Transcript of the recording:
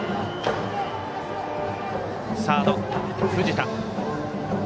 サードの藤田。